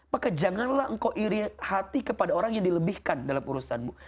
maka janganlah engkau iri hati kepada orang yang dilebihkan dalam urusanmu